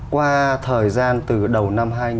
qua thời gian từ đầu năm hai nghìn một mươi